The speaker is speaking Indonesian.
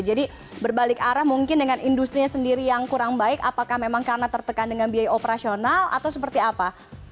jadi berbalik arah mungkin dengan industri sendiri yang kurang baik apakah memang karena tertekan dengan biaya operasional atau seperti apa